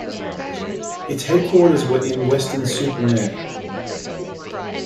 Its headquarters were in Weston-super-Mare.